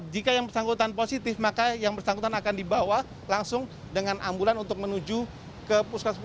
jika yang bersangkutan positif maka yang bersangkutan akan dibawa langsung dengan ambulan untuk menuju ke puskesmas